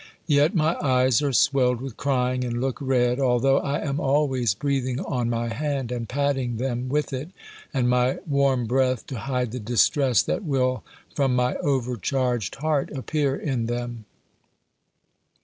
Yet my eyes are swelled with crying, and look red, although I am always breathing on my hand, and patting them with it, and my warm breath, to hide the distress that will, from my overcharged heart, appear in them.